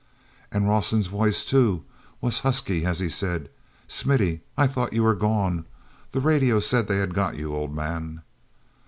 And Rawson's voice, too, was husky as he said: "Smithy, I thought you were gone. The radio said they had got you, old man."